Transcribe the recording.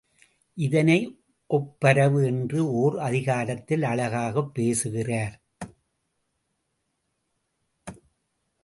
இதனை ஒப்பரவு என்ற ஓர் அதிகாரத்தில் அழகாகப் பேசுகிறார்.